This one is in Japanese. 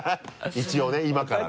一応ね今からね。